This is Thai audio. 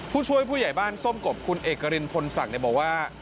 ผู้ช่วยผู้ใหญ่บ้านส้มกบคุณเอกรินพลศักดิ์บอกว่า